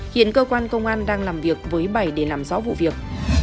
hiện cơ quan công an đang làm việc với bảy để làm rõ vụ việc